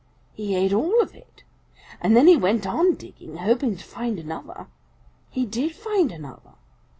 He ate all of it, and then he went on digging, hoping to find another. He did find another.